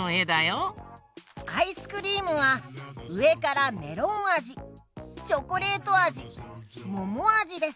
アイスクリームはうえからメロンあじチョコレートあじももあじです！